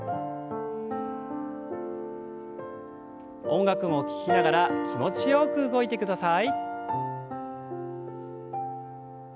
音楽を聞きながら気持ちよく動いてください。